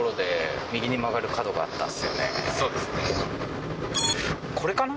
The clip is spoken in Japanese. そうですね